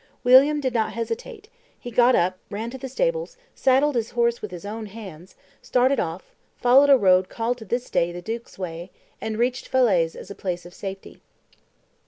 William did not hesitate; he got up, ran to the stables, saddled his horse with his own hands, started off, followed a road called to this day the duke's way, and reached Falaise as a place of safety.